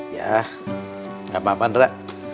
ya gapapa zindra